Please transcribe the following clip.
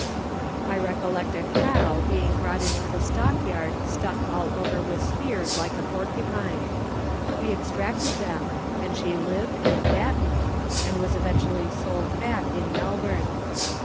I recollect a cow being brought into the stockyard stuck all over with spears, like a porcupine. We extracted them, and she lived and fattened, and was eventually sold fat in Melbourne.